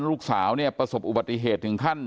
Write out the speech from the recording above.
ลูกสาวเนี่ยประสบอุบัติเหตุถึงขั้น